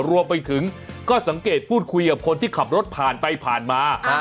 รวมไปถึงก็สังเกตพูดคุยกับคนที่ขับรถผ่านไปผ่านมา